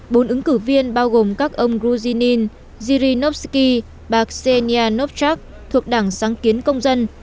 bốn ứng cử viên bao gồm các ông grushinin zhirinovsky bakhsenia novchak thuộc đảng sáng kiến công dân